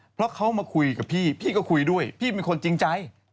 เพราะเขามาคุยกับพี่พี่ก็คุยด้วยพี่เป็นคนจริงใจ